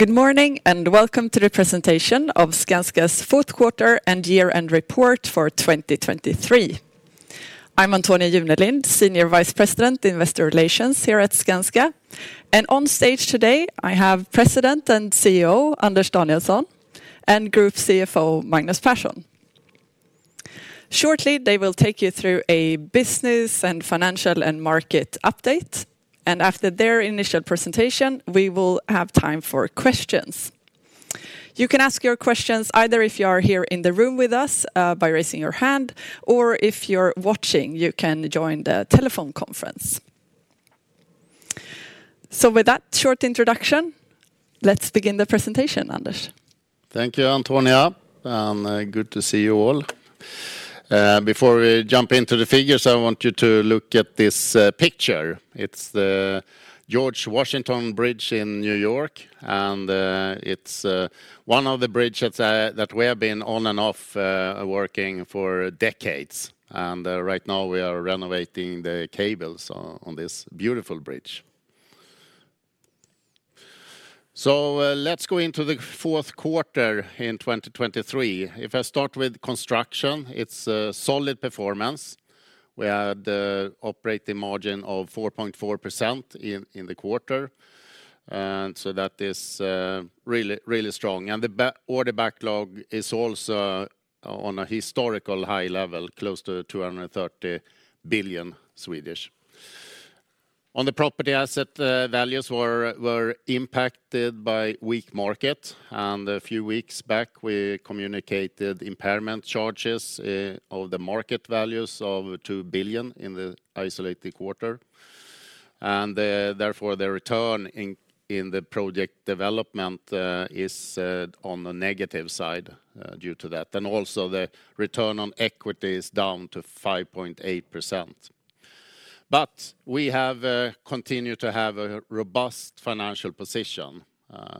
Good morning and welcome to the presentation of Skanska's Fourth Quarter and Year-End Report for 2023. I'm Antonia Junelind, Senior Vice President, Investor Relations here at Skanska. On stage today I have President and CEO Anders Danielsson and Group CFO Magnus Persson. Shortly they will take you through a business and financial and market update. After their initial presentation we will have time for questions. You can ask your questions either if you are here in the room with us by raising your hand or if you're watching you can join the telephone conference. With that short introduction let's begin the presentation, Anders. Thank you, Antonia. Good to see you all. Before we jump into the figures I want you to look at this picture. It's the George Washington Bridge in New York and it's one of the bridges that we have been on and off working for decades. And right now we are renovating the cables on this beautiful bridge. So let's go into the fourth quarter in 2023. If I start with construction it's a solid performance. We had an operating margin of 4.4% in the quarter. And so that is really, really strong. And the order backlog is also on a historical high level close to 230 billion. On the property asset values were impacted by weak market. And a few weeks back we communicated impairment charges of the market values of 2 billion in the isolated quarter. Therefore the return in the project development is on the negative side due to that. Also the return on equity is down to 5.8%. But we have continued to have a robust financial position.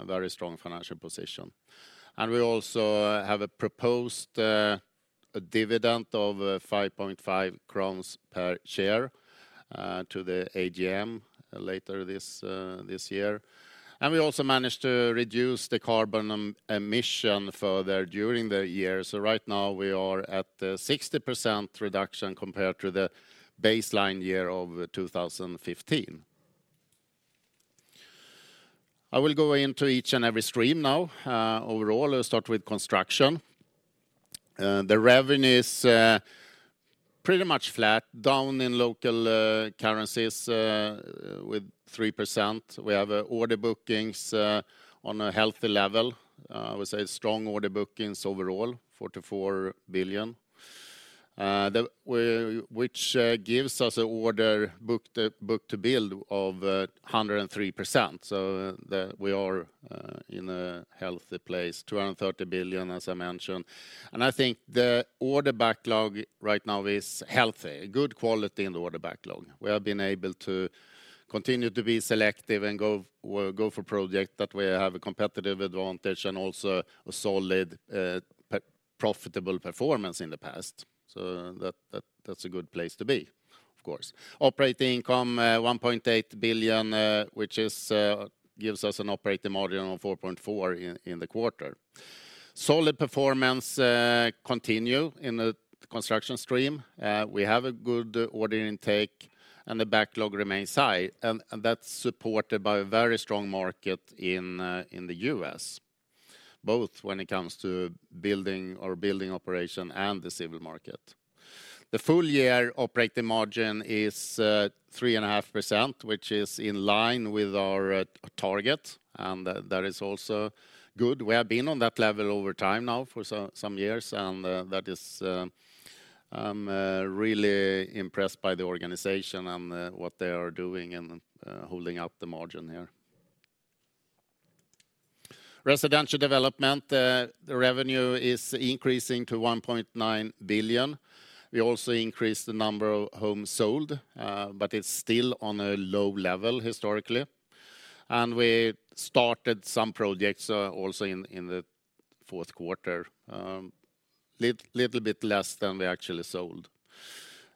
Very strong financial position. We also have proposed a dividend of 5.5 crowns per share to the AGM later this year. We also managed to reduce the carbon emission further during the year. Right now we are at 60% reduction compared to the baseline year of 2015. I will go into each and every stream now overall. I'll start with construction. The revenue is pretty much flat. Down in local currencies with 3%. We have order bookings on a healthy level. I would say strong order bookings overall. 44 billion. Which gives us a book-to-build of 103%. We are in a healthy place. 230 billion as I mentioned. I think the order backlog right now is healthy. Good quality in the order backlog. We have been able to continue to be selective and go for projects that we have a competitive advantage and also a solid profitable performance in the past. So that's a good place to be, of course. Operating income 1.8 billion which gives us an operating margin of 4.4% in the quarter. Solid performance continues in the construction stream. We have a good order intake and the backlog remains high. That's supported by a very strong market in the U.S. Both when it comes to building or building operation and the civil market. The full year operating margin is 3.5% which is in line with our target. That is also good. We have been on that level over time now for some years and that is I'm really impressed by the organization and what they are doing in holding up the margin here. Residential development, the revenue is increasing to 1.9 billion. We also increased the number of homes sold but it's still on a low level historically. And we started some projects also in the fourth quarter. A little bit less than we actually sold.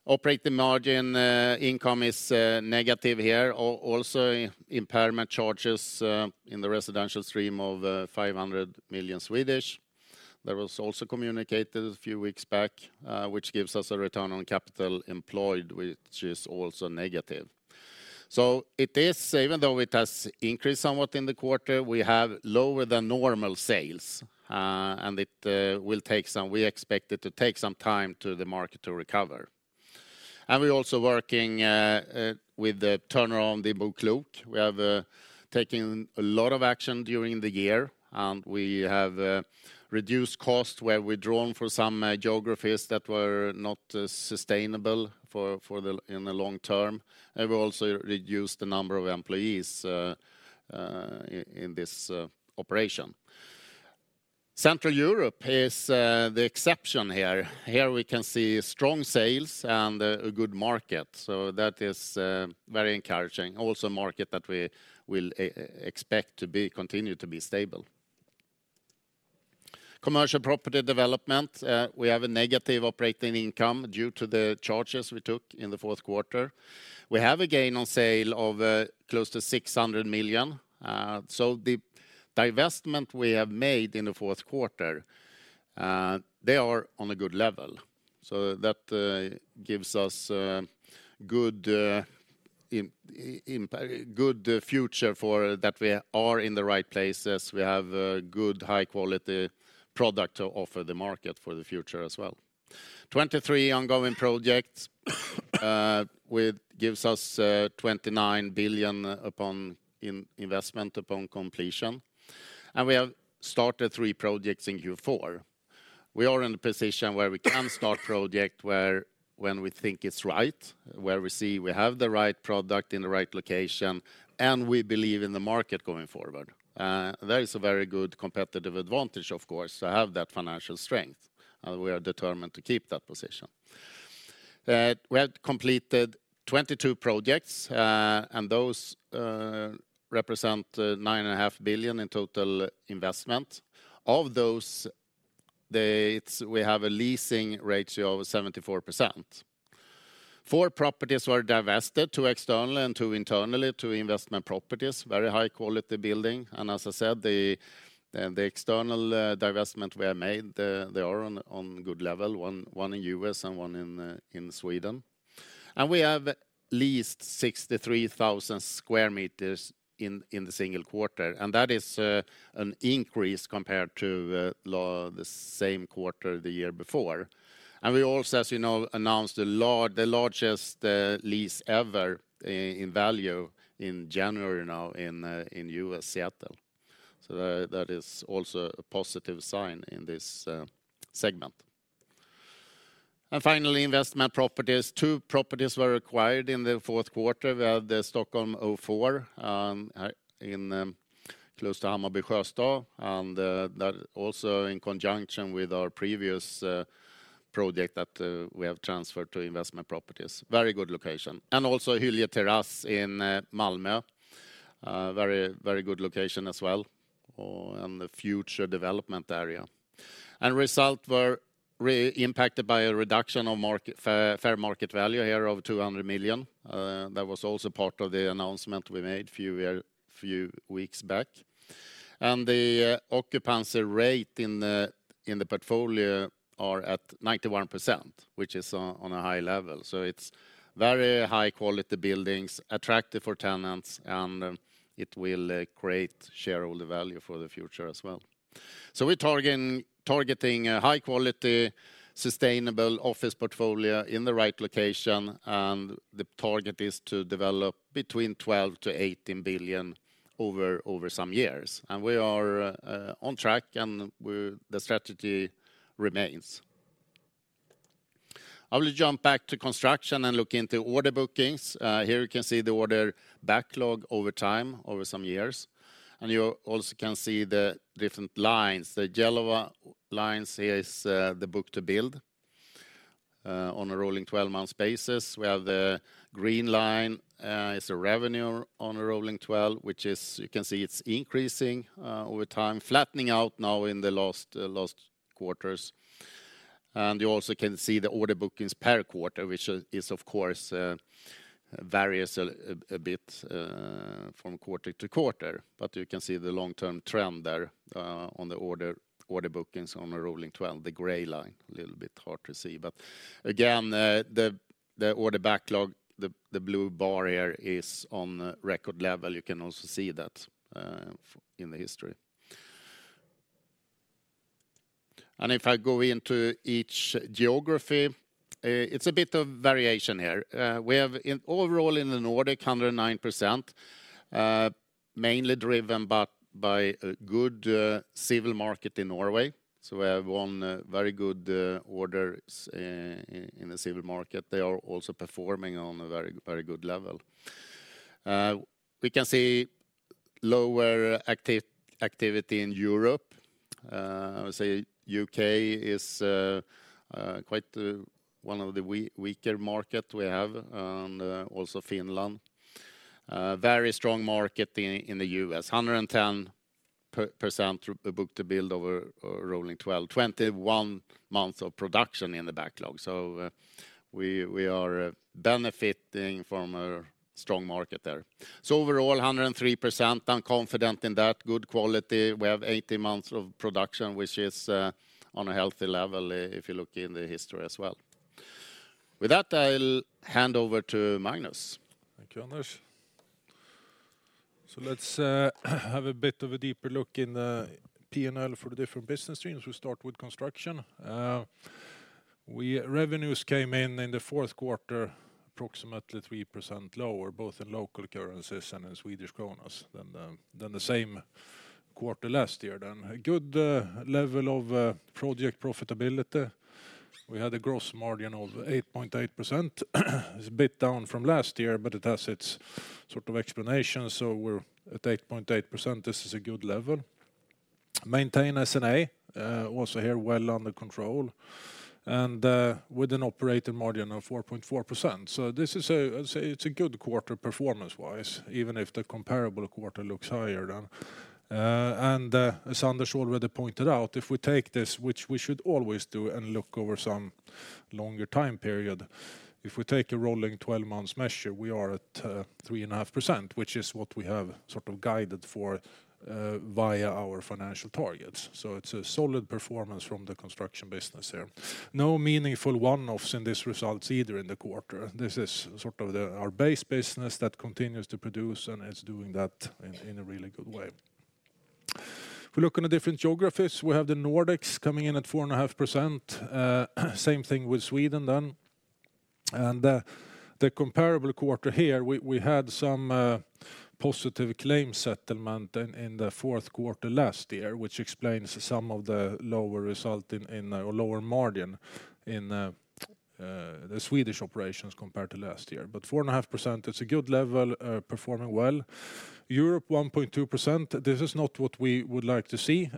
Operating margin income is negative here. Also impairment charges in the residential stream of 500 million. That was also communicated a few weeks back. Which gives us a return on capital employed which is also negative. So it is even though it has increased somewhat in the quarter we have lower than normal sales. And it will take some we expect it to take some time to the market to recover. We're also working with the turnaround in BoKlok. We have taken a lot of action during the year and we have reduced costs where we've drawn from some geographies that were not sustainable in the long term. We also reduced the number of employees in this operation. Central Europe is the exception here. Here we can see strong sales and a good market. That is very encouraging. Also a market that we will expect to continue to be stable. Commercial property development. We have a negative operating income due to the charges we took in the fourth quarter. We have a gain on sale of close to 600 million. The divestment we have made in the fourth quarter they are on a good level. That gives us a good future for that we are in the right places. We have a good high-quality product to offer the market for the future as well. 23 ongoing projects, which gives us 29 billion in investment upon completion. We have started 3 projects in Q4. We are in the position where we can start projects where when we think it's right. Where we see we have the right product in the right location and we believe in the market going forward. That is a very good competitive advantage, of course. To have that financial strength. We are determined to keep that position. We have completed 22 projects and those represent 9.5 billion in total investment. Of those we have a leasing ratio of 74%. 4 properties were divested. 2 externally and 2 internally to investment properties. Very high-quality building. As I said the external divestment we have made they are on good level. One in the U.S. and one in Sweden. And we have leased 63,000 square meters in the single quarter. And that is an increase compared to the same quarter the year before. And we also, as you know, announced the largest lease ever in value in January now in the U.S., Seattle. So that is also a positive sign in this segment. And finally investment properties. Two properties were acquired in the fourth quarter. We had Stockholm 04 close to Hammarby Sjöstad. And that also in conjunction with our previous project that we have transferred to investment properties. Very good location. And also Hyllie Terrass in Malmö. Very, very good location as well. And a future development area. And results were impacted by a reduction of fair market value here of 200 million. That was also part of the announcement we made a few weeks back. The occupancy rate in the portfolio is at 91%, which is on a high level. So it's very high-quality buildings. Attractive for tenants and it will create shareholder value for the future as well. So we're targeting a high-quality sustainable office portfolio in the right location and the target is to develop 12 billion-18 billion over some years. We are on track and the strategy remains. I will jump back to construction and look into order bookings. Here you can see the order backlog over time. Over some years. You also can see the different lines. The yellow lines here is the book to build. On a rolling 12-month basis. We have the green line is the revenue on a rolling 12 which is you can see it's increasing over time. Flattening out now in the last quarters. You also can see the order bookings per quarter which, of course, varies a bit from quarter-to-quarter. But you can see the long-term trend there on the order bookings on a rolling 12. The gray line, a little bit hard to see. But again the order backlog, the blue bar here is on record level. You can also see that in the history. And if I go into each geography. It's a bit of variation here. We have overall in the Nordic 109%. Mainly driven by a good civil market in Norway. So we have one very good order in the civil market. They are also performing on a very, very good level. We can see lower activity in Europe. I would say the U.K. is quite one of the weaker markets we have. And also Finland. Very strong market in the U.S. 110% book-to-build over a rolling 12. 21 months of production in the backlog. So we are benefiting from a strong market there. So overall 103%. I'm confident in that. Good quality. We have 18 months of production which is on a healthy level if you look in the history as well. With that I'll hand over to Magnus. Thank you, Anders. So let's have a bit of a deeper look in the P&L for the different business streams. We'll start with construction. Revenues came in in the fourth quarter approximately 3% lower. Both in local currencies and in Swedish kronor than the same quarter last year. Then a good level of project profitability. We had a gross margin of 8.8%. It's a bit down from last year but it has its sort of explanation. So we're at 8.8%. This is a good level. Maintained S&A. Also here well under control. And with an operating margin of 4.4%. So this is a good quarter performance-wise. Even if the comparable quarter looks higher than. And as Anders already pointed out if we take this which we should always do and look over some longer time period. If we take a rolling 12-month measure we are at 3.5% which is what we have sort of guided for via our financial targets. So it's a solid performance from the construction business here. No meaningful one-offs in these results either in the quarter. This is sort of our base business that continues to produce and it's doing that in a really good way. If we look in the different geographies. We have the Nordics coming in at 4.5%. Same thing with Sweden then. And the comparable quarter here we had some positive claim settlement in the fourth quarter last year. Which explains some of the lower result in or lower margin in the Swedish operations compared to last year. But 4.5% it's a good level. Performing well. Europe 1.2%. This is not what we would like to see.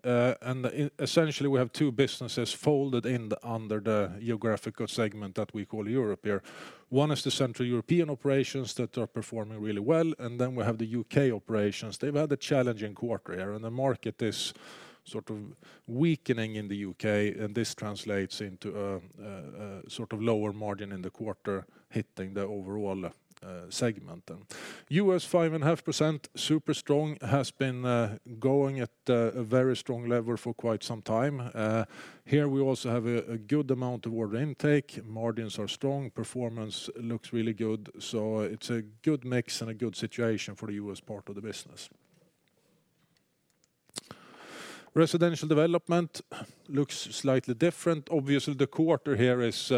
Essentially we have two businesses folded in under the geographical segment that we call Europe here. One is the Central European operations that are performing really well. And then we have the U.K. operations. They've had a challenging quarter here. And the market is sort of weakening in the U.K. And this translates into a sort of lower margin in the quarter hitting the overall segment then. U.S. 5.5%. Super strong. Has been going at a very strong level for quite some time. Here we also have a good amount of order intake. Margins are strong. Performance looks really good. So it's a good mix and a good situation for the U.S. part of the business. Residential development looks slightly different. Obviously the quarter here is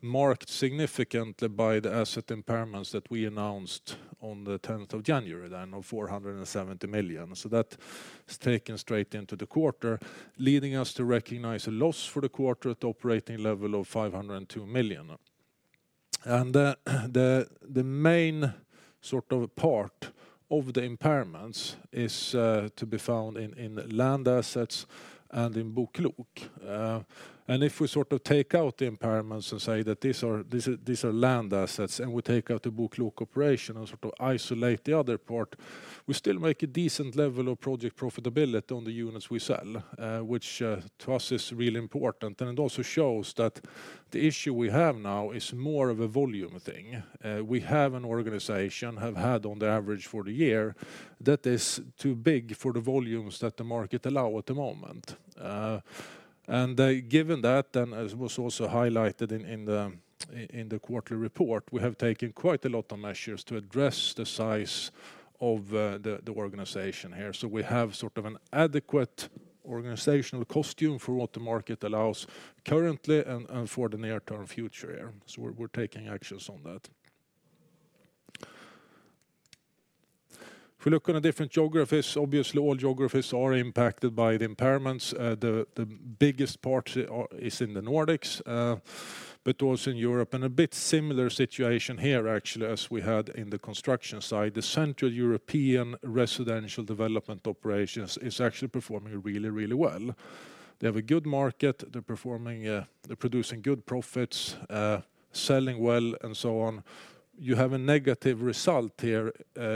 marked significantly by the asset impairments that we announced on the 10th of January then. Of 470 million. So that's taken straight into the quarter, leading us to recognize a loss for the quarter at the operating level of 502 million. The main sort of part of the impairments is to be found in land assets and in BoKlok. If we sort of take out the impairments and say that these are land assets and we take out the BoKlok operation and sort of isolate the other part, we still make a decent level of project profitability on the units we sell, which to us is really important. It also shows that the issue we have now is more of a volume thing. We have an organization, have had on the average for the year, that is too big for the volumes that the market allows at the moment. Given that, then as was also highlighted in the quarterly report. We have taken quite a lot of measures to address the size of the organization here. So we have sort of an adequate organizational structure for what the market allows currently and for the near-term future here. So we're taking actions on that. If we look in the different geographies. Obviously all geographies are impacted by the impairments. The biggest part is in the Nordics. But also in Europe. And a bit similar situation here actually as we had in the construction side. The Central European residential development operations is actually performing really, really well. They have a good market. They're producing good profits. Selling well and so on. You have a negative result here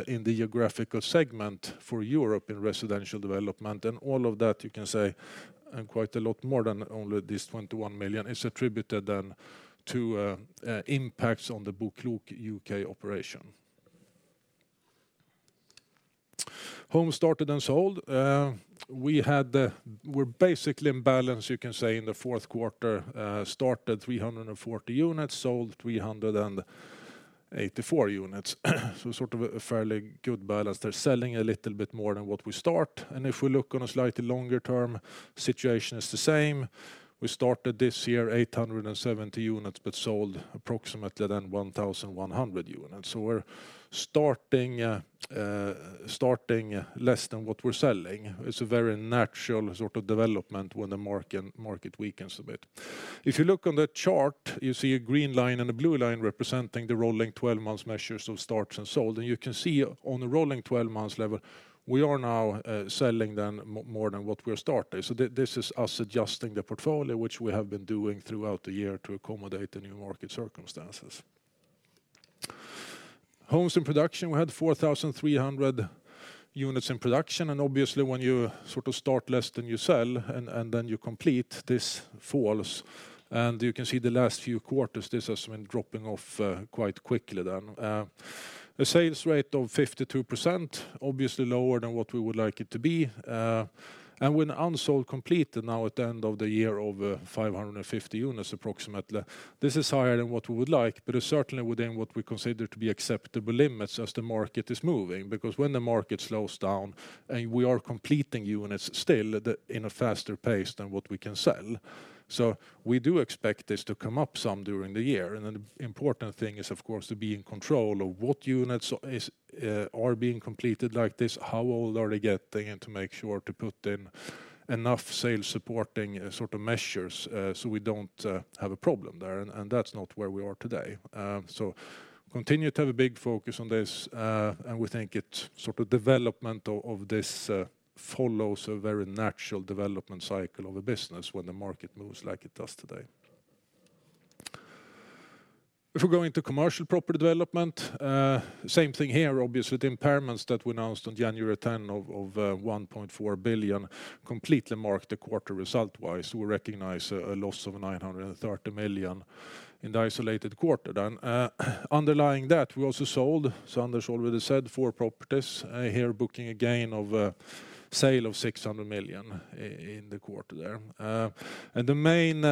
in the geographical segment for Europe in residential development. All of that you can say and quite a lot more than only these 21 million is attributed then to impacts on the BoKlok U.K. operation. Homes started and sold. We had we're basically in balance you can say in the fourth quarter. Started 340 units. Sold 384 units. So sort of a fairly good balance there. Selling a little bit more than what we start. And if we look on a slightly longer term. Situation is the same. We started this year 870 units but sold approximately then 1,100 units. So we're starting less than what we're selling. It's a very natural sort of development when the market weakens a bit. If you look on the chart. You see a green line and a blue line representing the rolling 12-month measures of starts and sold. And you can see on the rolling 12-month level. We are now selling then more than what we're starting. So this is us adjusting the portfolio which we have been doing throughout the year to accommodate the new market circumstances. Homes in production. We had 4,300 units in production. And obviously when you sort of start less than you sell and then you complete. This falls. And you can see the last few quarters. This has been dropping off quite quickly then. A sales rate of 52%. Obviously lower than what we would like it to be. And unsold completed now at the end of the year over 550 units approximately. This is higher than what we would like. But it's certainly within what we consider to be acceptable limits as the market is moving. Because when the market slows down and we are completing units still in a faster pace than what we can sell. So we do expect this to come up some during the year. And the important thing is, of course, to be in control of what units are being completed like this. How old are they getting, and to make sure to put in enough sales supporting sort of measures. So we don't have a problem there. And that's not where we are today. So continue to have a big focus on this. And we think it's sort of development of this follows a very natural development cycle of a business when the market moves like it does today. If we go into commercial property development. Same thing here, obviously. The impairments that we announced on January 10th of 1.4 billion completely marked the quarter result-wise. So we recognize a loss of 930 million in the isolated quarter then. Underlying that, we also sold, as Anders already said, four properties. Here, booking a gain of a sale of 600 million in the quarter there. And the main,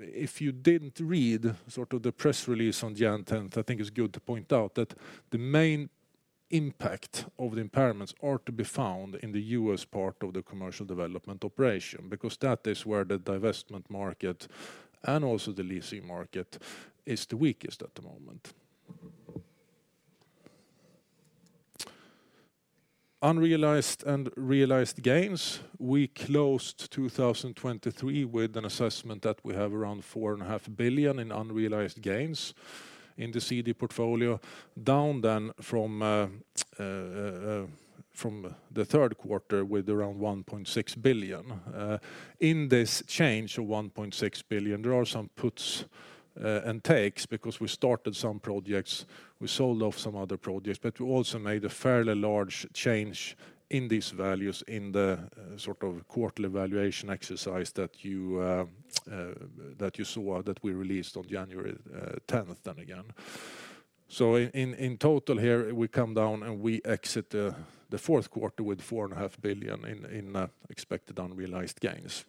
if you didn't read sort of the press release on January 10th, I think it's good to point out that the main impact of the impairments are to be found in the U.S. part of the commercial development operation. Because that is where the divestment market and also the leasing market is the weakest at the moment. Unrealized and realized gains. We closed 2023 with an assessment that we have around 4.5 billion in unrealized gains in the CD portfolio. Down then from the third quarter with around 1.6 billion. In this change of 1.6 billion. There are some puts and takes because we started some projects. We sold off some other projects. We also made a fairly large change in these values in the sort of quarterly valuation exercise that you saw that we released on January 10th, then again. In total here we come down and we exit the fourth quarter with 4.5 billion in expected unrealized gains.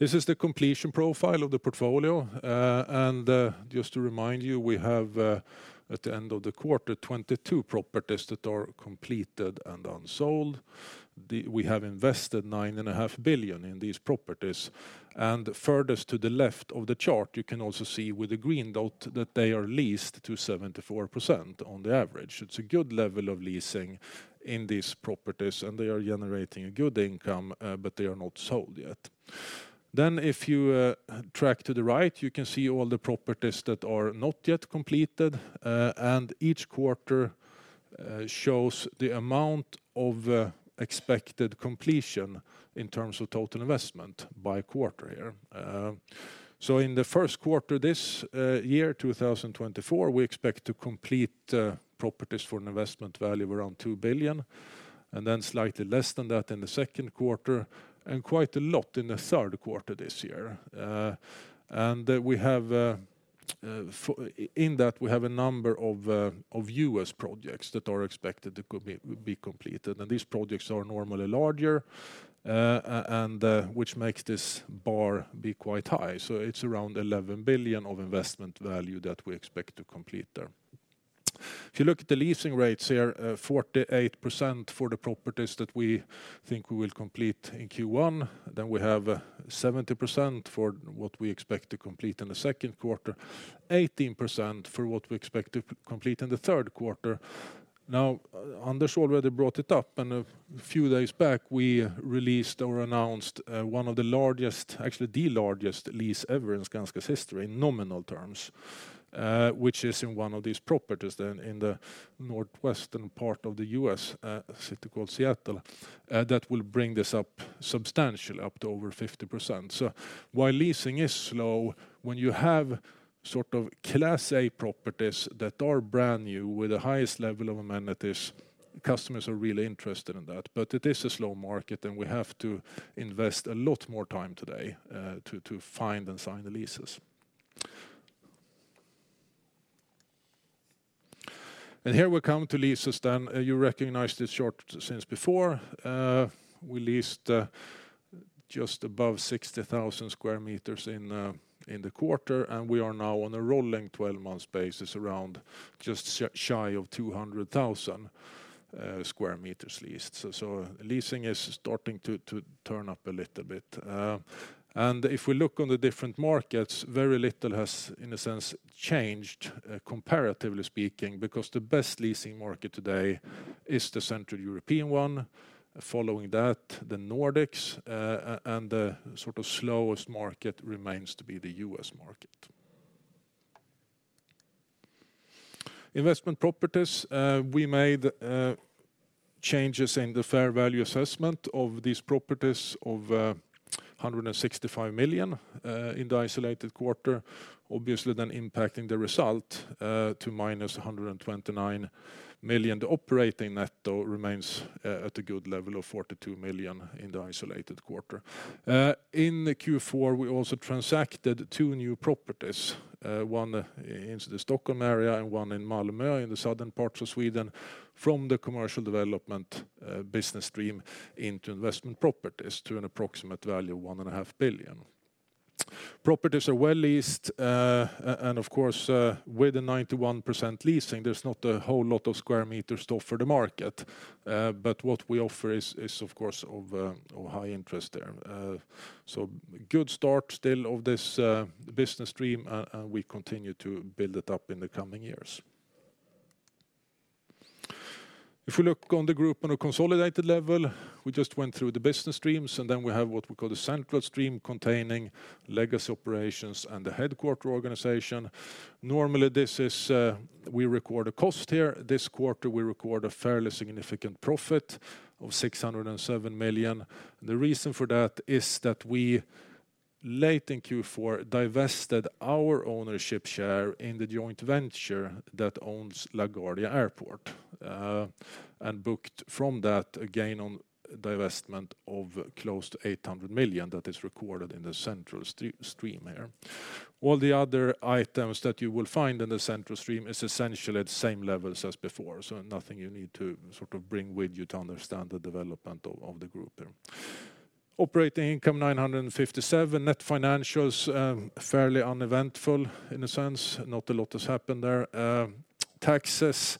This is the completion profile of the portfolio. Just to remind you, we have at the end of the quarter 22 properties that are completed and unsold. We have invested 9.5 billion in these properties. Furthest to the left of the chart you can also see with a green dot that they are leased to 74% on the average. It's a good level of leasing in these properties. They are generating a good income but they are not sold yet. If you track to the right you can see all the properties that are not yet completed. Each quarter shows the amount of expected completion in terms of total investment by quarter here. So in the first quarter this year, 2024, we expect to complete properties for an investment value of around 2 billion. Then slightly less than that in the second quarter. And quite a lot in the third quarter this year. And we have, in that, we have a number of U.S. projects that are expected to be completed. And these projects are normally larger. And which makes this bar be quite high. So it's around 11 billion of investment value that we expect to complete there. If you look at the leasing rates here, 48% for the properties that we think we will complete in Q1. Then we have 70% for what we expect to complete in the second quarter. 18% for what we expect to complete in the third quarter. Now, Anders already brought it up. A few days back we released or announced one of the largest, actually the largest lease ever in Skanska's history, in nominal terms. Which is in one of these properties then in the northwestern part of the U.S. A city called Seattle. That will bring this up substantially up to over 50%. So while leasing is slow, when you have sort of Class A properties that are brand new with the highest level of amenities, customers are really interested in that. But it is a slow market and we have to invest a lot more time today to find and sign the leases. Here we come to leases then. You recognize this chart since before. We leased, just above 60,000 square meters in the quarter. We are now on a rolling 12-month basis around just shy of 200,000 square meters leased. So leasing is starting to turn up a little bit. If we look on the different markets, very little has, in a sense, changed, comparatively speaking. Because the best leasing market today is the Central European one. Following that, the Nordics. And the sort of slowest market remains to be the U.S. market. Investment properties. We made changes in the fair value assessment of these properties of 165 million in the isolated quarter. Obviously then impacting the result to -129 million. The operating netto remains at a good level of 42 million in the isolated quarter. In Q4 we also transacted two new properties: one in the Stockholm area and one in Malmö in the southern parts of Sweden. From the commercial development business stream into investment properties to an approximate value of 1.5 billion. Properties are well leased, and of course, with a 91% leasing, there's not a whole lot of square meter stuff for the market. But what we offer is, is of course, of, of high interest there. So good start still of this business stream and we continue to build it up in the coming years. If we look on the Group on a consolidated level, we just went through the business streams. And then we have what we call the central stream containing legacy operations and the headquarters organization. Normally this is, we record a cost here. This quarter we record a fairly significant profit of 607 million. And the reason for that is that we, late in Q4, divested our ownership share in the joint venture that owns LaGuardia Airport. booked from that a gain on divestment of close to 800 million that is recorded in the central stream here. All the other items that you will find in the central stream is essentially at the same levels as before. So nothing you need to sort of bring with you to understand the development of the group here. Operating income, 957. Net financials, fairly uneventful in a sense. Not a lot has happened there. Taxes,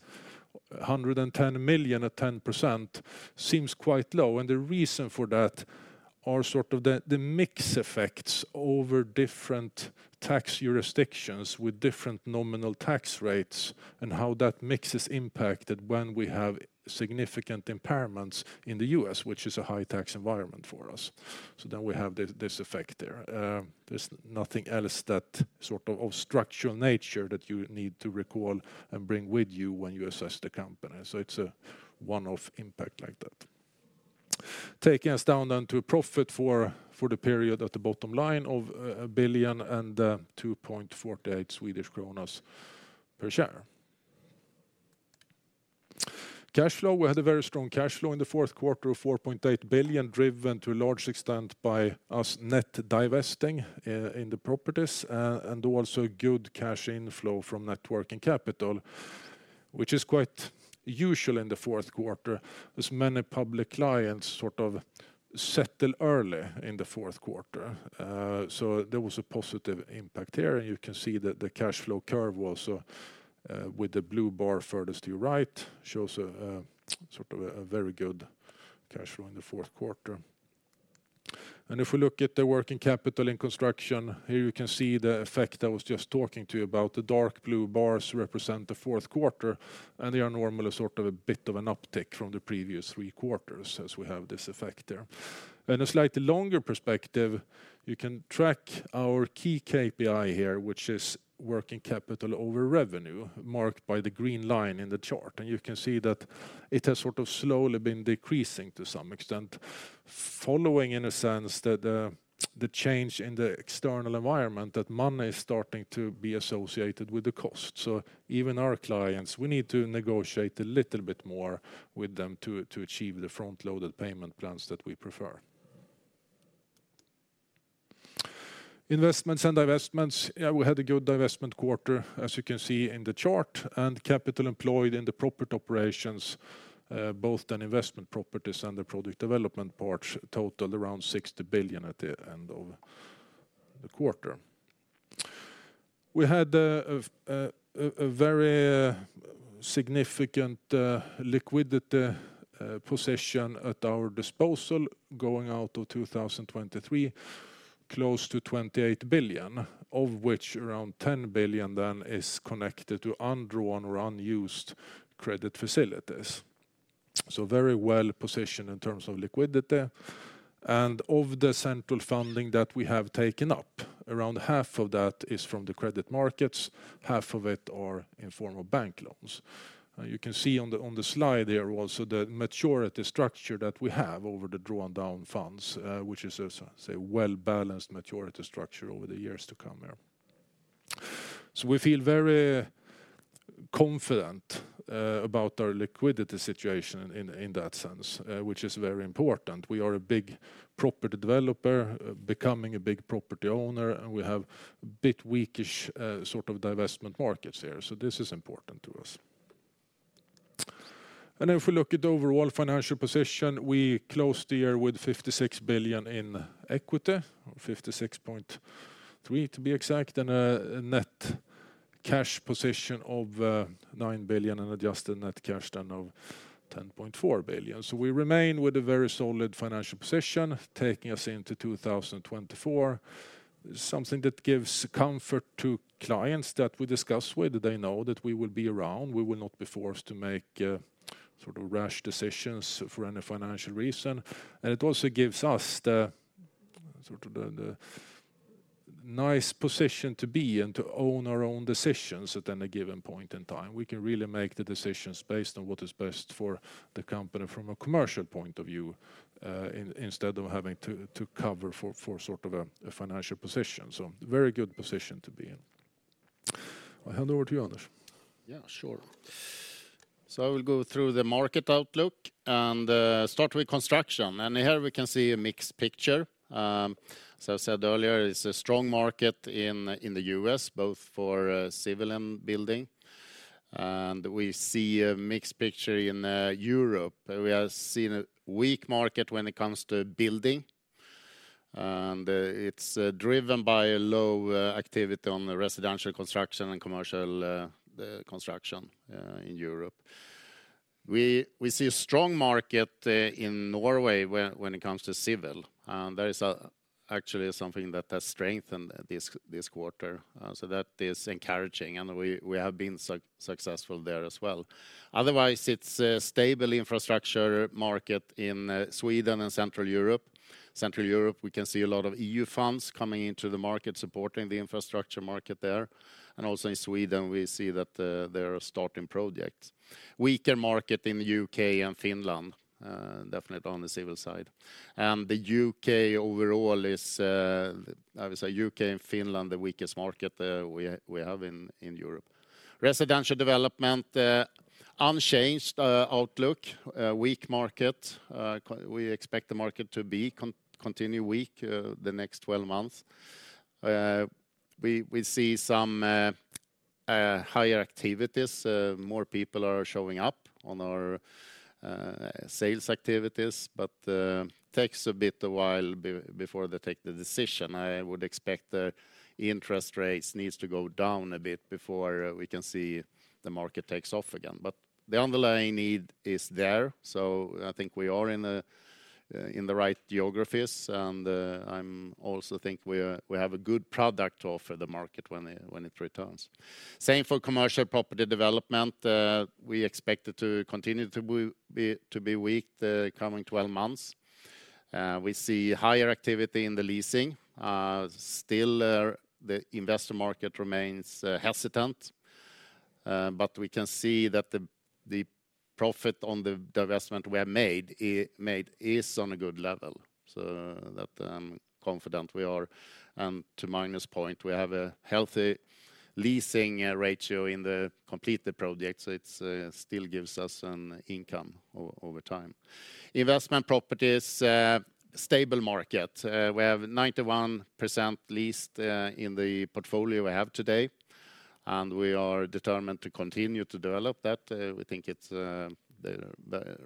110 million at 10%. Seems quite low. And the reason for that are sort of the mix effects over different tax jurisdictions with different nominal tax rates. And how that mix is impacted when we have significant impairments in the U.S., which is a high tax environment for us. So then we have this effect there. There's nothing else that sort of structural nature that you need to recall and bring with you when you assess the company. So it's a one-off impact like that. Taking us down then to a profit for the period at the bottom line of 1 billion and 2.48 Swedish kronor per share. Cash flow. We had a very strong cash flow in the fourth quarter of 4.8 billion driven to a large extent by us net divesting in the properties. And also good cash inflow from working capital. Which is quite usual in the fourth quarter. As many public clients sort of settle early in the fourth quarter, so there was a positive impact here. And you can see that the cash flow curve also, with the blue bar furthest to your right, shows a sort of very good cash flow in the fourth quarter. If we look at the working capital in construction, here you can see the effect I was just talking to you about. The dark blue bars represent the fourth quarter. They are normally sort of a bit of an uptick from the previous three quarters as we have this effect there. In a slightly longer perspective, you can track our key KPI here, which is working capital over revenue, marked by the green line in the chart. You can see that it has sort of slowly been decreasing to some extent. Following, in a sense, that the change in the external environment that money is starting to be associated with the cost. So even our clients, we need to negotiate a little bit more with them to achieve the front-loaded payment plans that we prefer. Investments and divestments. We had a good divestment quarter, as you can see in the chart. Capital Employed in the property operations, both the investment properties and the product development parts, totaled around 60 billion at the end of the quarter. We had a very significant liquidity position at our disposal going out of 2023, close to 28 billion. Of which around 10 billion then is connected to undrawn or unused credit facilities. So very well positioned in terms of liquidity. Of the central funding that we have taken up, around half of that is from the credit markets. Half of it are in form of bank loans. You can see on the slide here also the maturity structure that we have over the drawn-down funds, which is a well-balanced maturity structure over the years to come here. So we feel very confident about our liquidity situation in that sense, which is very important. We are a big property developer, becoming a big property owner. We have a bit weakish sort of divestment markets here. So this is important to us. If we look at the overall financial position, we closed the year with 56 billion in equity. 56.3 billion to be exact. A net cash position of 9 billion and adjusted net cash then of 10.4 billion. So we remain with a very solid financial position taking us into 2024. Something that gives comfort to clients that we discuss with. They know that we will be around. We will not be forced to make sort of rash decisions for any financial reason. It also gives us sort of a nice position to be and to own our own decisions at any given point in time. We can really make the decisions based on what is best for the company from a commercial point of view, instead of having to cover for sort of a financial position. Very good position to be in. I hand over to you, Anders. Yeah, sure. I will go through the market outlook and start with construction. Here we can see a mixed picture. As I said earlier, it's a strong market in the U.S., both for civil building. We see a mixed picture in Europe. We have seen a weak market when it comes to building. It's driven by a low activity on residential construction and commercial construction in Europe. We see a strong market in Norway when it comes to civil. That is actually something that has strengthened this quarter. That is encouraging. We have been successful there as well. Otherwise, it's a stable infrastructure market in Sweden and Central Europe. Central Europe, we can see a lot of E.U. funds coming into the market supporting the infrastructure market there. Also in Sweden, we see that there are starting projects. Weaker market in the U.K. and Finland, definitely on the civil side. The U.K. overall is, I would say, U.K. and Finland, the weakest market we have in Europe. Residential development, unchanged outlook, weak market. We expect the market to continue weak the next 12 months. We see some higher activities. More people are showing up on our sales activities. It takes a bit of while before they take the decision. I would expect the interest rates need to go down a bit before we can see the market takes off again. But the underlying need is there. So I think we are in the right geographies. And I also think we have a good product offer the market when it returns. Same for commercial property development. We expect it to continue to be weak the coming 12 months. We see higher activity in the leasing. Still, the investor market remains hesitant. But we can see that the profit on the divestment we have made is on a good level. So that I'm confident we are. And to minus point, we have a healthy leasing ratio in the complete project. So it still gives us an income over time. Investment properties, stable market. We have 91% leased in the portfolio we have today. We are determined to continue to develop that. We think it's the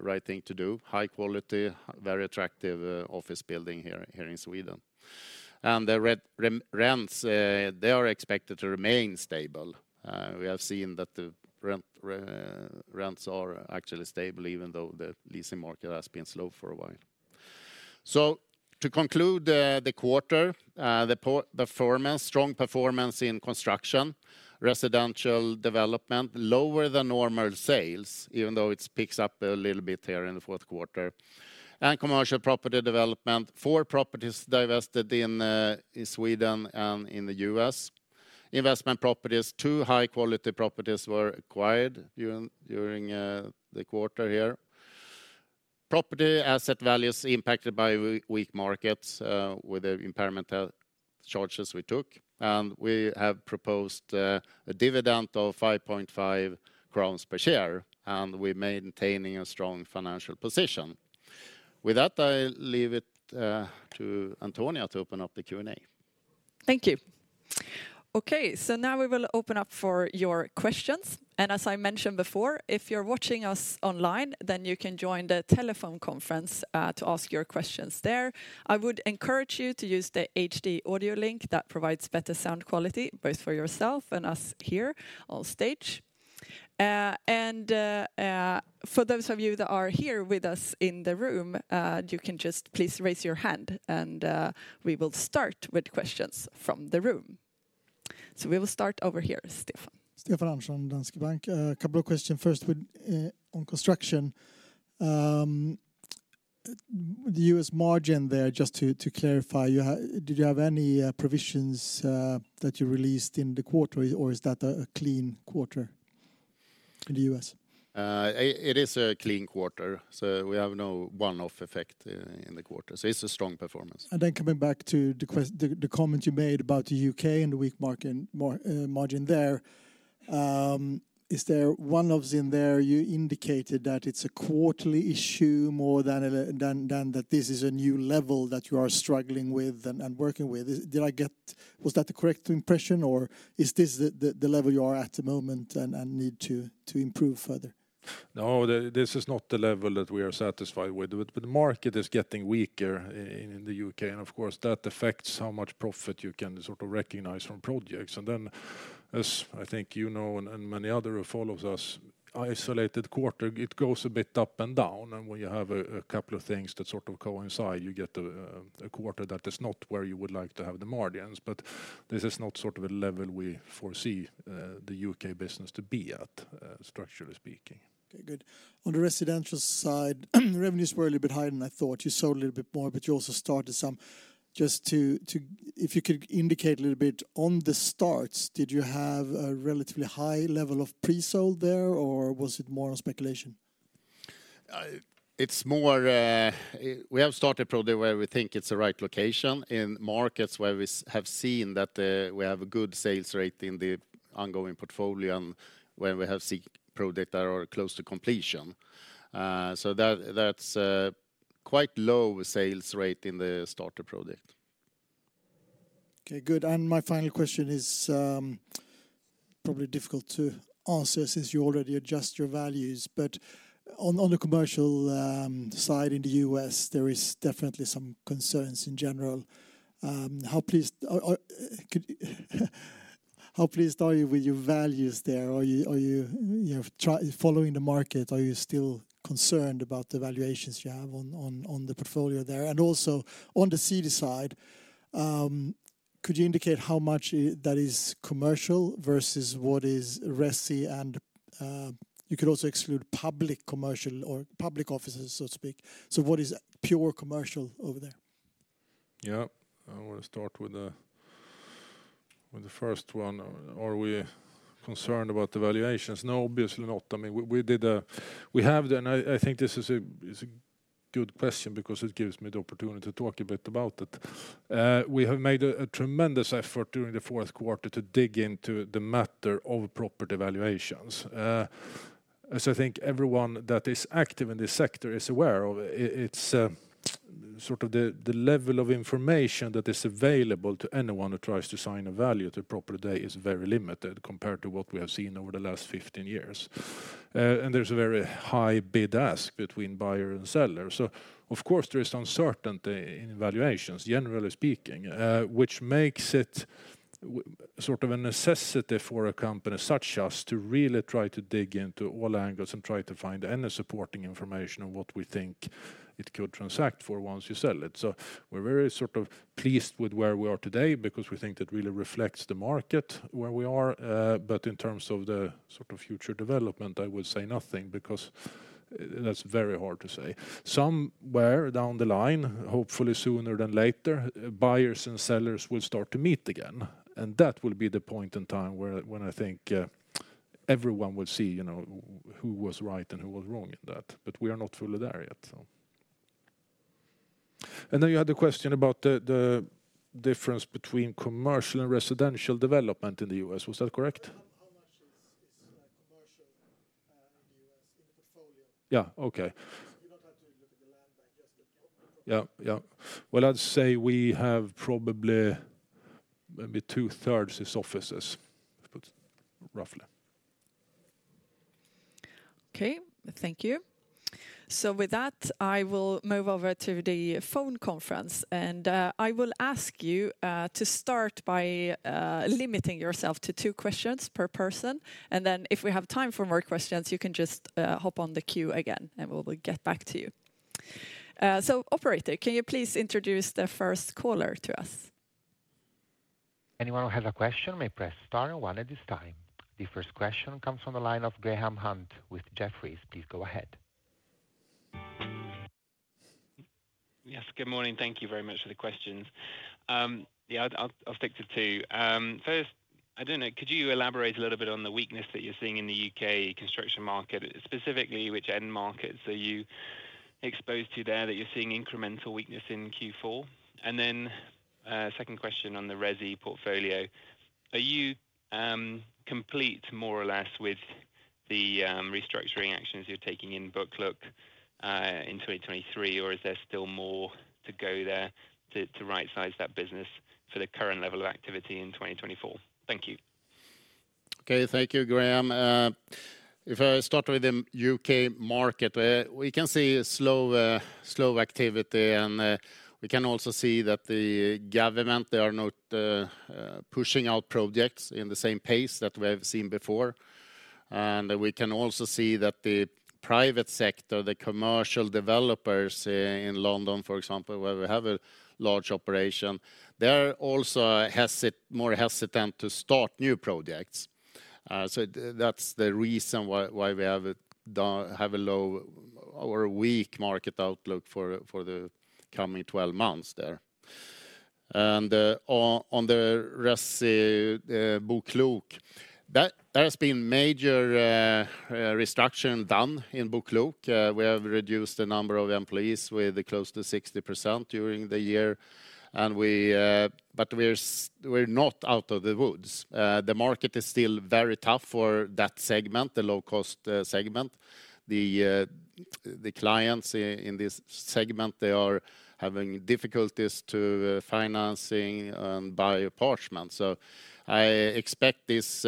right thing to do. High quality, very attractive office building here in Sweden. The rents, they are expected to remain stable. We have seen that the rents are actually stable even though the leasing market has been slow for a while. So to conclude the quarter, the performance, strong performance in construction, residential development, lower than normal sales even though it picks up a little bit here in the fourth quarter. Commercial property development, 4 properties divested in Sweden and in the U.S. Investment properties, 2 high-quality properties were acquired during the quarter here. Property asset values impacted by weak markets with the impairment charges we took. We have proposed a dividend of 5.5 crowns per share. We're maintaining a strong financial position. With that, I leave it to Antonia to open up the Q&A. Thank you. Okay, so now we will open up for your questions. And as I mentioned before, if you're watching us online, then you can join the telephone conference to ask your questions there. I would encourage you to use the HD audio link that provides better sound quality both for yourself and us here on stage. And for those of you that are here with us in the room, you can just please raise your hand. And we will start with questions from the room. So we will start over here, Stefan. Stefan Andersson, Danske Bank. A couple of questions first on construction. The U.S. margin there, just to clarify, did you have any provisions that you released in the quarter or is that a clean quarter in the U.S.? It is a clean quarter. We have no one-off effect in the quarter. It's a strong performance. Coming back to the comment you made about the U.K. and the weak margin there, is there one-offs in there? You indicated that it's a quarterly issue more than that this is a new level that you are struggling with and working with. Did I get... Was that the correct impression or is this the level you are at the moment and need to improve further? No, this is not the level that we are satisfied with. The market is getting weaker in the U.K. Of course, that affects how much profit you can sort of recognize from projects. As I think you know and many others who follow us, isolated quarter, it goes a bit up and down. When you have a couple of things that sort of coincide, you get a quarter that is not where you would like to have the margins. But this is not sort of a level we foresee the U.K. business to be at, structurally speaking. Okay, good. On the residential side, revenues were a little bit higher than I thought. You sold a little bit more, but you also started some. Just to... If you could indicate a little bit on the starts, did you have a relatively high level of pre-sold there or was it more on speculation? It's more... We have started projects where we think it's the right location. In markets where we have seen that we have a good sales rate in the ongoing portfolio and where we have seen projects that are close to completion. So that's a quite low sales rate in the starter project. Okay, good. And my final question is probably difficult to answer since you already adjust your values. But on the commercial side in the U.S., there is definitely some concerns in general. How pleased are you with your values there? Are you following the market? Are you still concerned about the valuations you have on the portfolio there? And also on the U.S. side, could you indicate how much that is commercial versus what is resi and... You could also exclude public commercial or public offices, so to speak. So what is pure commercial over there? Yeah, I want to start with the first one. Are we concerned about the valuations? No, obviously not. I mean, we did a... We have the... I think this is a good question because it gives me the opportunity to talk a bit about it. We have made a tremendous effort during the fourth quarter to dig into the matter of property valuations. As I think everyone that is active in this sector is aware of, it's sort of the level of information that is available to anyone who tries to assign a value to a property today is very limited compared to what we have seen over the last 15 years. There's a very high bid-ask between buyer and seller. So of course, there is uncertainty in valuations, generally speaking, which makes it sort of a necessity for a company such as us to really try to dig into all angles and try to find any supporting information on what we think it could transact for once you sell it. So we're very sort of pleased with where we are today because we think that really reflects the market where we are. But in terms of the sort of future development, I would say nothing because that's very hard to say. Somewhere down the line, hopefully sooner than later, buyers and sellers will start to meet again. And that will be the point in time when I think everyone will see, you know, who was right and who was wrong in that. But we are not fully there yet. And then you had the question about the difference between commercial and residential development in the U.S. Was that correct? How much is commercial in the U.S. in the portfolio? Yeah, okay. You don't have to look at the land bank, just the property. Yeah, yeah. Well, I'd say we have probably maybe 2/3 is offices, roughly. Okay, thank you. So with that, I will move over to the phone conference. I will ask you to start by limiting yourself to two questions per person. Then if we have time for more questions, you can just hop on the queue again and we'll get back to you. So operator, can you please introduce the first caller to us? Anyone who has a question may press star one at this time. The first question comes from the line of Graham Hunt with Jefferies. Please go ahead. Yes, good morning. Thank you very much for the questions. Yeah, I'll stick to two. First, I don't know, could you elaborate a little bit on the weakness that you're seeing in the U.K. construction market, specifically which end markets are you exposed to there that you're seeing incremental weakness in Q4? And then a second question on the resi portfolio. Are you complete more or less with the restructuring actions you're taking in BoKlok in 2023 or is there still more to go there to right-size that business for the current level of activity in 2024? Thank you. Okay, thank you, Graham. If I start with the U.K. market, we can see slow activity. And we can also see that the government, they are not pushing out projects in the same pace that we have seen before. And we can also see that the private sector, the commercial developers in London, for example, where we have a large operation, they are also more hesitant to start new projects. So that's the reason why we have a low or a weak market outlook for the coming 12 months there. And on the resi BoKlok, there has been major restructuring done in BoKlok. We have reduced the number of employees with close to 60% during the year. But we're not out of the woods. The market is still very tough for that segment, the low-cost segment. The clients in this segment are having difficulties in financing and buying apartments. So I expect this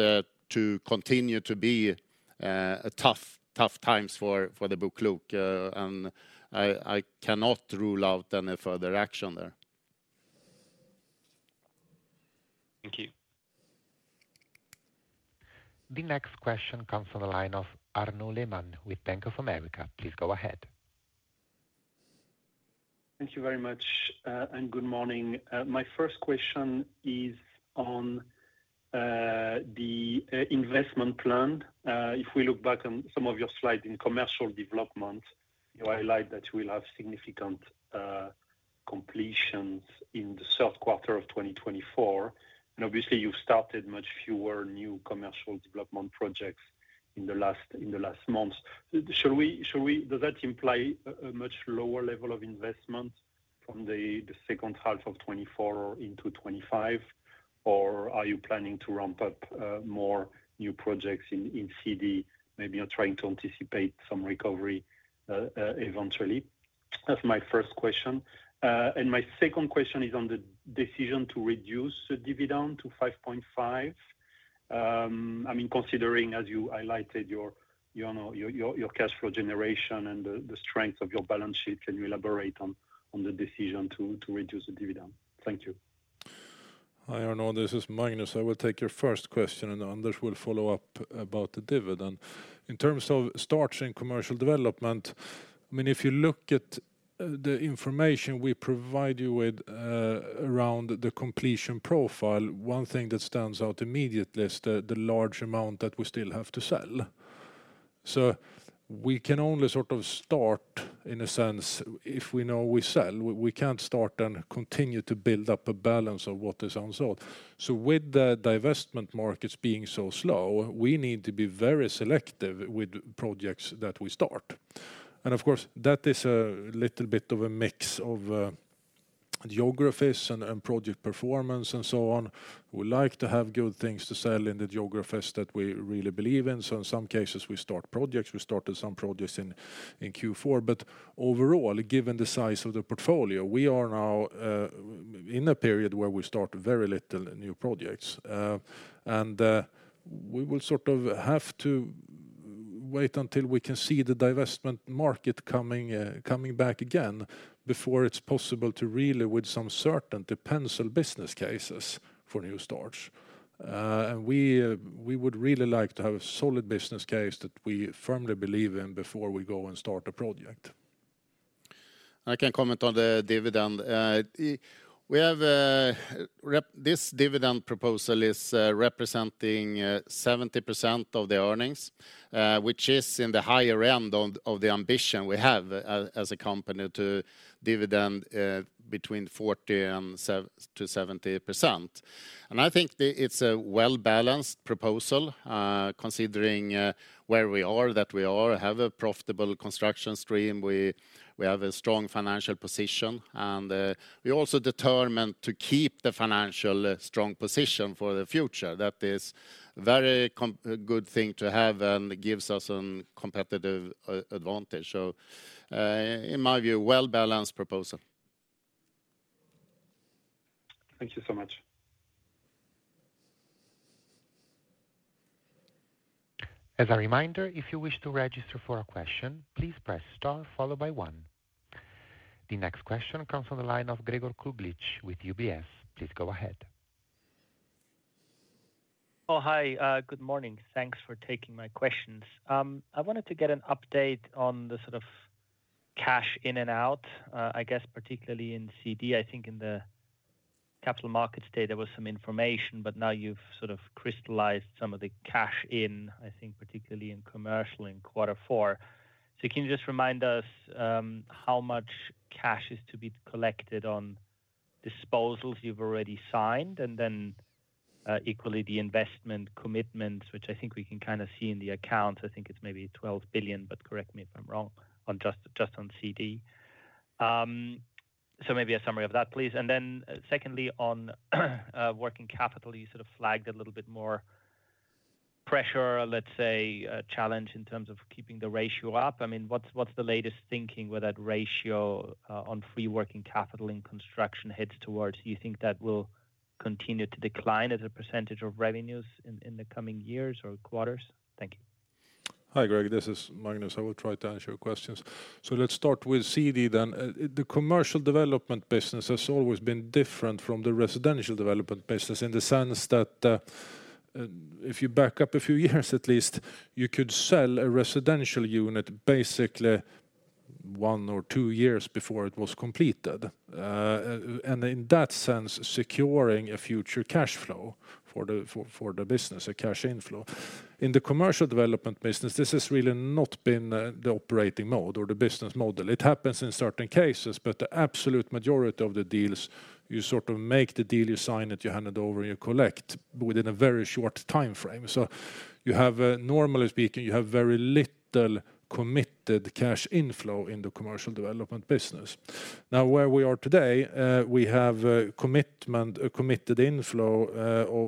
to continue to be tough times for the BoKlok. And I cannot rule out any further action there. Thank you. The next question comes from the line of Arnaud Lehmann with Bank of America. Please go ahead. Thank you very much and good morning. My first question is on the investment plan. If we look back on some of your slides in commercial development, you highlight that you will have significant completions in the third quarter of 2024. And obviously, you've started much fewer new commercial development projects in the last months. Shall we... Does that imply a much lower level of investment from the second half of 2024 into 2025? Or are you planning to ramp up more new projects in CD? Maybe you're trying to anticipate some recovery eventually. That's my first question. And my second question is on the decision to reduce the dividend to 5.5. I mean, considering, as you highlighted, your your your cash flow generation and the strength of your balance sheet, can you elaborate on the decision to reduce the dividend? Thank you. I don't know. This is Magnus. I will take your first question and Anders will follow up about the dividend. In terms of starts in commercial development, I mean, if you look at the information we provide you with around the completion profile, one thing that stands out immediately is the large amount that we still have to sell. So we can only sort of start, in a sense, if we know we sell. We can't start and continue to build up a balance of what is unsold. So with the divestment markets being so slow, we need to be very selective with projects that we start. And of course, that is a little bit of a mix of geographies and project performance and so on. We like to have good things to sell in the geographies that we really believe in. So in some cases, we start projects. We started some projects in Q4. But overall, given the size of the portfolio, we are now in a period where we start very little new projects. We will sort of have to wait until we can see the divestment market coming back again before it's possible to really, with some certainty, pencil business cases for new starts. We would really like to have a solid business case that we firmly believe in before we go and start a project. I can comment on the dividend. We have. This dividend proposal is representing 70% of the earnings, which is in the higher end of the ambition we have as a company to dividend between 40% and 70%. I think it's a well-balanced proposal, considering where we are, that we have a profitable construction stream. We have a strong financial position. We are also determined to keep the financially strong position for the future. That is a very good thing to have and gives us a competitive advantage. So in my view, well-balanced proposal. Thank you so much. As a reminder, if you wish to register for a question, please press star followed by one. The next question comes from the line of Gregor Kuglitsch with UBS. Please go ahead. Oh, hi. Good morning. Thanks for taking my questions. I wanted to get an update on the sort of cash in and out, I guess, particularly in CD. I think in the Capital Markets Day, there was some information, but now you've sort of crystallized some of the cash in, I think, particularly in commercial in quarter four. So can you just remind us how much cash is to be collected on disposals you've already signed and then equally the investment commitments, which I think we can kind of see in the accounts. I think it's maybe 12 billion, but correct me if I'm wrong on just on CD. So maybe a summary of that, please. And then secondly, on working capital, you sort of flagged a little bit more pressure, let's say, challenge in terms of keeping the ratio up. I mean, what's the latest thinking where that ratio on free working capital in construction heads towards? Do you think that will continue to decline as a percentage of revenues in the coming years or quarters? Thank you. Hi, Greg. This is Magnus. I will try to answer your questions. So let's start with CD then. The commercial development business has always been different from the residential development business in the sense that if you back up a few years at least, you could sell a residential unit basically one or two years before it was completed. And in that sense, securing a future cash flow for the business, a cash inflow. In the commercial development business, this has really not been the operating mode or the business model. It happens in certain cases, but the absolute majority of the deals, you sort of make the deal, you sign it, you hand it over and you collect within a very short timeframe. So you have, normally speaking, you have very little committed cash inflow in the commercial development business. Now, where we are today, we have a committed inflow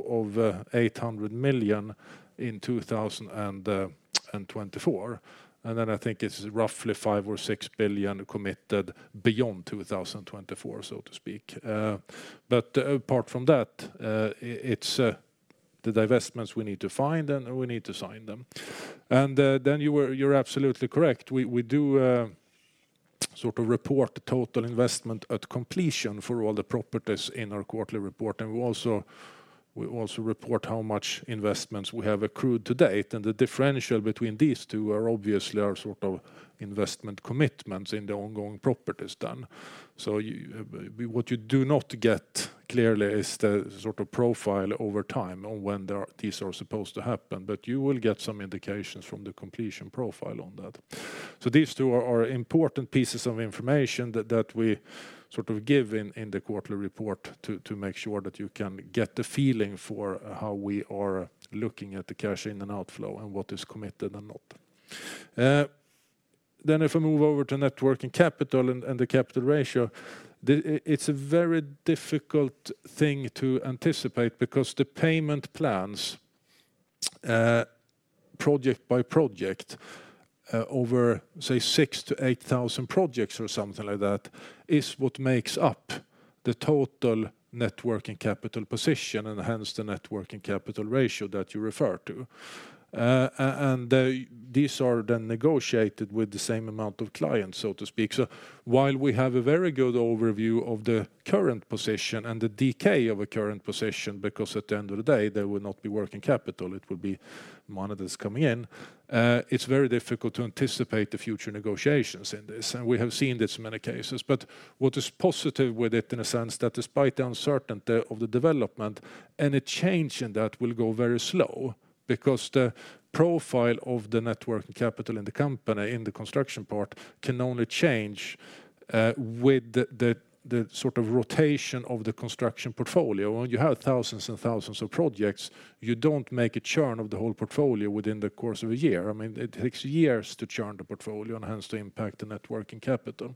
of 800 million in 2024. And then I think it's roughly 5 billion or 6 billion committed beyond 2024, so to speak. But apart from that, it's the divestments we need to find and we need to sign them. And then, you're absolutely correct. We do sort of report the total investment at completion for all the properties in our quarterly report. And we also report how much investments we have accrued to date. And the differential between these two are obviously our sort of investment commitments in the ongoing properties then. So, what you do not get clearly is the sort of profile over time on when these are supposed to happen. But you will get some indications from the completion profile on that. So these two are important pieces of information that we sort of give in the quarterly report to make sure that you can get the feeling for how we are looking at the cash in and outflow and what is committed and not. Then if I move over to working capital and the capital ratio, it's a very difficult thing to anticipate because the payment plans, project by project, over, say, 6,000-8,000 projects or something like that, is what makes up the total working capital position and hence the working capital ratio that you refer to. And these are then negotiated with the same amount of clients, so to speak. So while we have a very good overview of the current position and the decay of a current position because at the end of the day, there will not be working capital, it will be money that's coming in, it's very difficult to anticipate the future negotiations in this. And we have seen this in many cases. But what is positive with it, in a sense, that despite the uncertainty of the development, any change in that will go very slow because the profile of the net working capital in the company, in the construction part, can only change with the sort of rotation of the construction portfolio. When you have thousands and thousands of projects, you don't make a churn of the whole portfolio within the course of a year. I mean, it takes years to churn the portfolio and hence to impact the net working capital.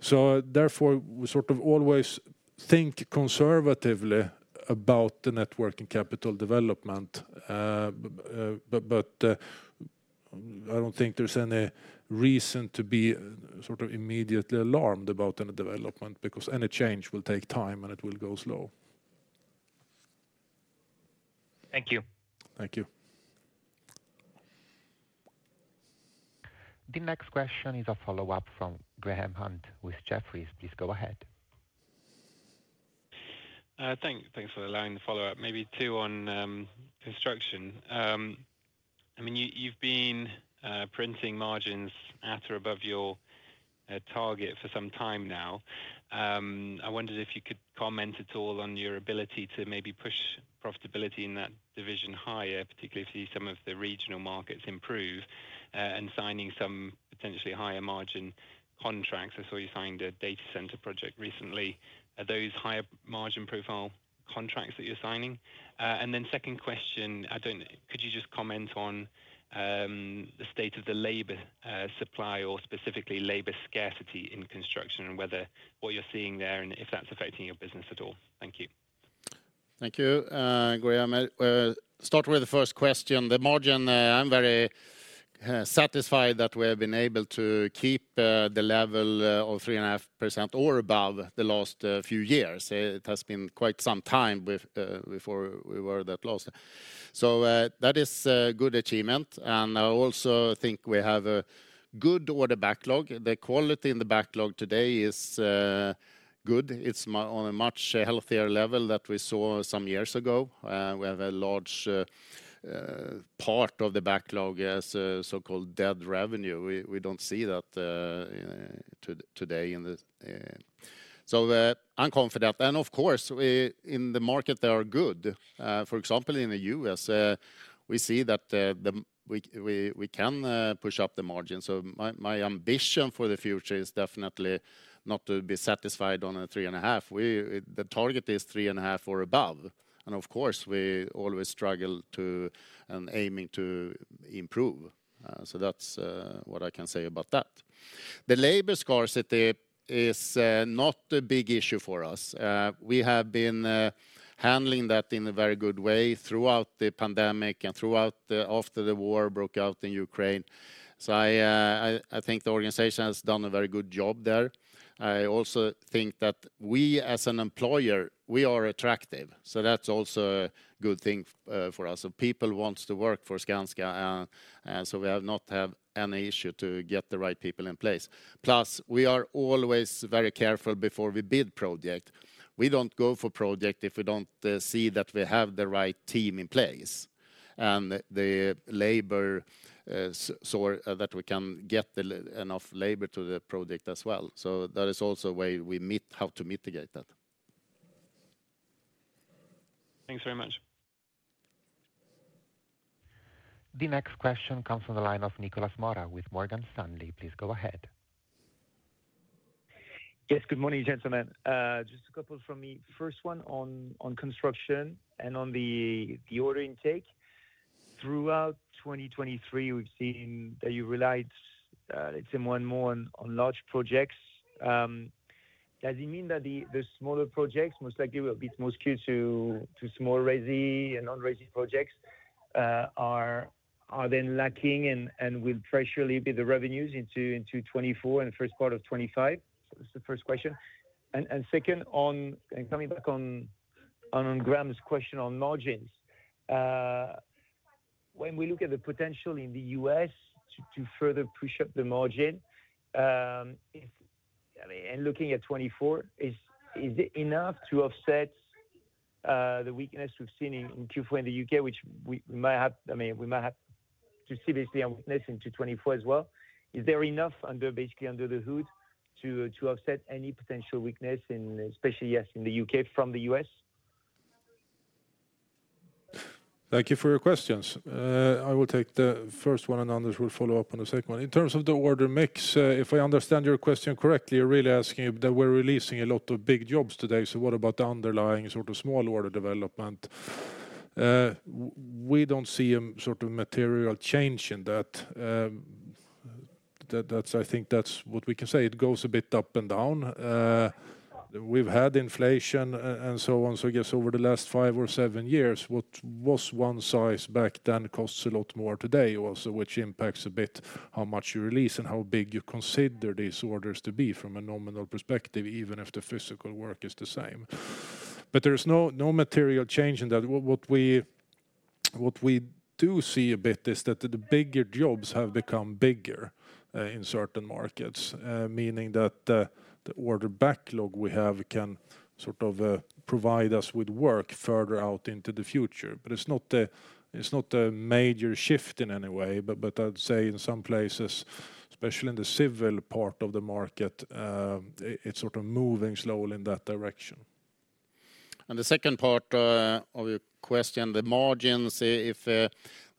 So therefore, we sort of always think conservatively about the working capital development. But I don't think there's any reason to be sort of immediately alarmed about any development because any change will take time and it will go slow. Thank you. Thank you. The next question is a follow-up from Graham Hunt with Jefferies. Please go ahead. Thanks for allowing the follow-up. Maybe two on construction. I mean, you've been printing margins at or above your target for some time now. I wondered if you could comment at all on your ability to maybe push profitability in that division higher, particularly if you see some of the regional markets improve and signing some potentially higher margin contracts. I saw you signed a data center project recently. Are those higher margin profile contracts that you're signing? And then second question, could you just comment on the state of the labor supply or specifically labor scarcity in construction and whether what you're seeing there and if that's affecting your business at all? Thank you. Thank you, Graham. Start with the first question. The margin, I'm very satisfied that we have been able to keep the level of 3.5% or above the last few years. It has been quite some time before we were that low. So that is a good achievement. And I also think we have a good order backlog. The quality in the backlog today is good. It's on a much healthier level that we saw some years ago. We have a large part of the backlog as so-called dead revenue. We don't see that today in the... So I'm confident. And of course, we in the market, they are good. For example, in the U.S., we see that we can push up the margin. So my ambition for the future is definitely not to be satisfied on a 3.5%. The target is 3.5% or above. And of course, we always struggle to and aiming to improve. So that's what I can say about that. The labor scarcity is not a big issue for us. We have been handling that in a very good way throughout the pandemic and throughout after the war broke out in Ukraine. So I think the organization has done a very good job there. I also think that we as an employer, we are attractive. So that's also a good thing for us. So people want to work for Skanska and so we have not had any issue to get the right people in place. Plus, we are always very careful before we bid project. We don't go for project if we don't see that we have the right team in place and the labor so that we can get enough labor to the project as well. So that is also a way we meet how to mitigate that. Thanks very much. The next question comes from the line of Nicolas Mora with Morgan Stanley. Please go ahead. Yes, good morning, gentlemen. Just a couple from me. First one on construction and on the order intake. Throughout 2023, we've seen that you relied, let's say, more on large projects. Does it mean that the smaller projects, most likely it will be smooth skew to small resi and non-resi projects, are then lacking and will pressure a little bit the revenues into 2024 and the first part of 2025? That's the first question. And second, on coming back on Graham's question on margins, when we look at the potential in the U.S. to further push up the margin, and looking at 2024, is it enough to offset the weakness we've seen in Q4 in the U.K., which we might have, I mean, we might have to seriously encompass into 2024 as well? Is there enough under, basically under the hood, to offset any potential weakness in, especially, yes, in the U.K. from the U.S.? Thank you for your questions. I will take the first one and Anders will follow up on the second one. In terms of the order mix, if I understand your question correctly, you're really asking that we're releasing a lot of big jobs today. So what about the underlying sort of small order development? We don't see a sort of material change in that. I think that's what we can say. It goes a bit up and down. We've had inflation and so on, so I guess over the last five or seven years, what was one size back then costs a lot more today also, which impacts a bit how much you release and how big you consider these orders to be from a nominal perspective, even if the physical work is the same. But there's no material change in that. What we do see a bit is that the bigger jobs have become bigger in certain markets, meaning that the order backlog we have can sort of provide us with work further out into the future. But it's not a major shift in any way. But I'd say in some places, especially in the civil part of the market, it's sort of moving slowly in that direction. The second part of your question, the margins,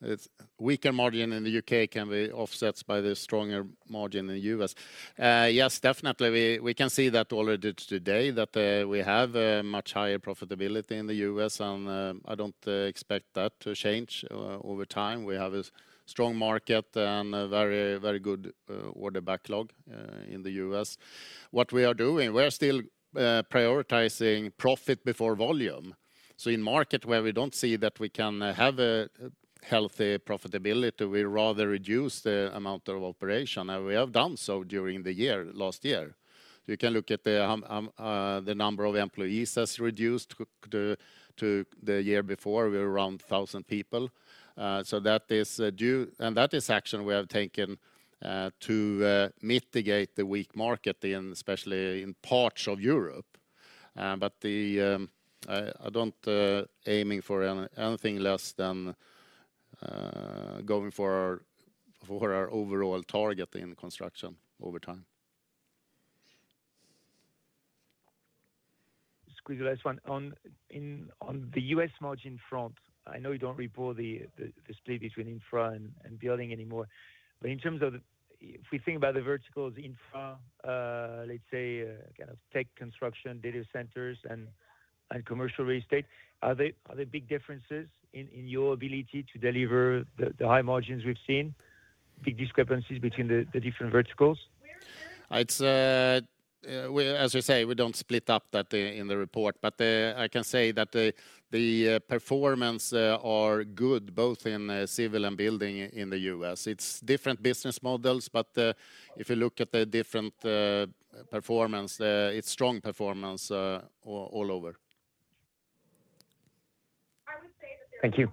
if a weaker margin in the U.K. can be offset by the stronger margin in the U.S. Yes, definitely. We can see that already today, that we have much higher profitability in the U.S. And I don't expect that to change over time. We have a strong market and a very, very good order backlog in the U.S. What we are doing, we're still prioritizing profit before volume. So in market where we don't see that we can have a healthy profitability, we rather reduce the amount of operation. And we have done so during the year, last year. You can look at the number of employees that's reduced to the year before. We were around 1,000 people. So that is due, and that is action we have taken to mitigate the weak market in, especially in parts of Europe. But the, I don't aiming for anything less than going for our overall target in construction over time. Squeeze the last one. On the US margin front, I know you don't report the split between infra and building anymore. But in terms of, if we think about the verticals, infra, let's say, kind of tech construction, data centers, and commercial real estate, are there big differences in your ability to deliver the high margins we've seen, big discrepancies between the different verticals? It's, as you say, we don't split up that in the report. But I can say that the performance are good both in civil and building in the US. It's different business models, but if you look at the different performance, it's strong performance all over. Thank you.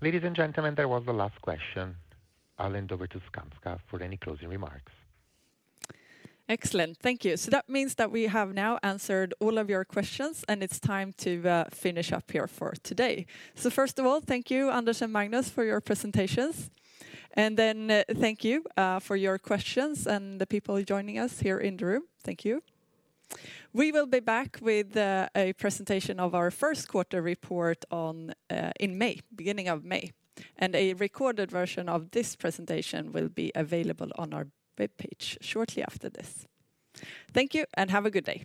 Ladies and gentlemen, that was the last question. I'll hand over to Skanska for any closing remarks. Excellent. Thank you. So that means that we have now answered all of your questions and it's time to finish up here for today. So first of all, thank you, Anders and Magnus, for your presentations. And then thank you for your questions and the people joining us here in the room. Thank you. We will be back with a presentation of our first quarter report in May, beginning of May. And a recorded version of this presentation will be available on our webpage shortly after this. Thank you and have a good day.